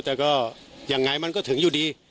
แต่ก็ยังไงมันก็ถึงอยู่ดี